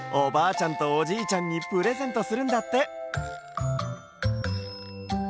ちゃんとおじいちゃんにプレゼントするんだって。